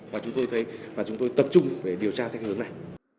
và chúng tôi thấy và chúng tôi tập trung về điều tra theo hướng này